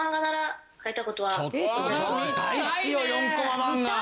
ちょっと大好きよ４コマ漫画。